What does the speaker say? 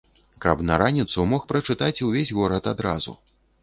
Каб на раніцу мог прачытаць увесь горад адразу.